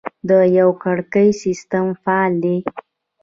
د یوه کړکۍ سیستم فعال دی؟